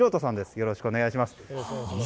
よろしくお願いします。